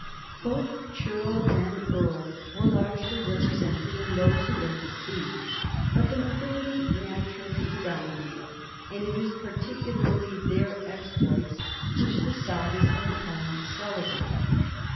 1 Both churl and earl were largely represented in those who went to sea, but the nobility naturally preponder ated, and it is particularly their exploits which the sagas and poems celebrate.